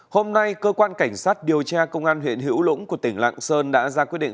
hôm nay cơ quan cảnh sát điều tra công an huyện hữu lũng của tỉnh lạng sơn đã ra quyết định